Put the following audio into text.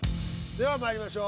ではまいりましょう。